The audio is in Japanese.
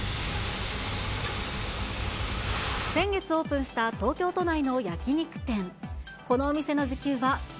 先月オープンした東京都内の焼き肉店。